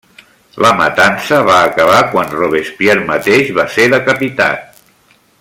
La matança va acabar quan Robespierre mateix va ser decapitat.